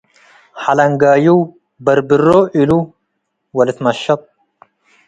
ሐለንጋዩ በርብሮ እሉ ወልትመሸጥ ።